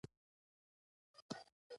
آهنګر په خبره کې ور ولوېد: اې د ظالم زويه!